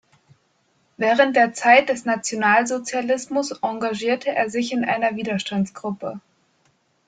Während der Zeit des Nationalsozialismus engagierte er sich in einer Widerstandsgruppe.